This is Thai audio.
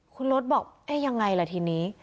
คุณรถบอกเอ๊ะยังไงล่ะทีนี้